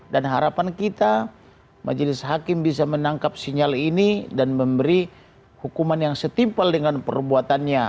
dan harapan kita majelis hakim bisa menangkap sinyal ini dan memberi hukuman yang setimpal dengan perbuatannya